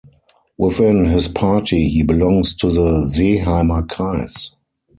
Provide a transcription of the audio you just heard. Within his party, he belongs to the Seeheimer Kreis.